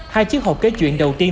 hai chiếc hộp kế chuyện đầu tiên